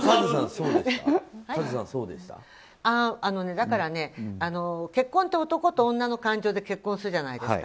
だからね、結婚って男と女の感情で結婚するじゃないですか。